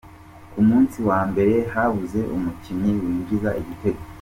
Ku munsi wa mbere habuze umukinnyi winjiza igitego